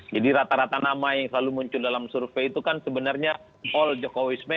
jadi rata rata nama yang selalu muncul dalam survei itu kan sebenarnya all jokowi's men